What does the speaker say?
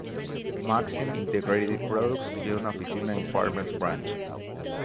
Maxim Integrated Products tiene una oficina en Farmers Branch.